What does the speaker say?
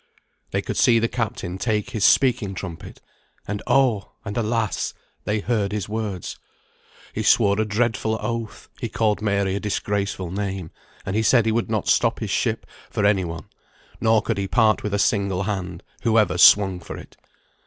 They could see the captain take his speaking trumpet. And oh! and alas! they heard his words. He swore a dreadful oath; he called Mary a disgraceful name; and he said he would not stop his ship for any one, nor could he part with a single hand, whoever swung for it.